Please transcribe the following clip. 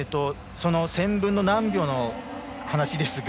１０００分の何秒の差ですが